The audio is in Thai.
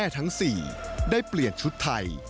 ทั้ง๔ได้เปลี่ยนชุดไทย